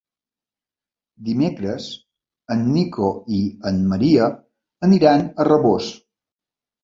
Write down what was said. Dimecres en Nico i en Maria aniran a Rabós.